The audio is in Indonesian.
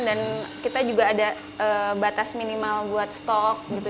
dan kita juga ada batas minimal buat stok gitu